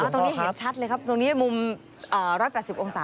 ตรงนี้เห็นชัดเลยครับตรงนี้มุม๑๘๐องศา